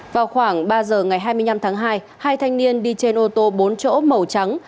vào khoảng ba giờ ngày hai mươi năm tháng hai hai thanh niên đi trên ô tô bốn chỗ màu trắng